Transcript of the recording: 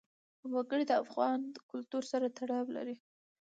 وګړي د افغان کلتور سره تړاو لري.